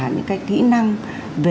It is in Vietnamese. những kỹ năng về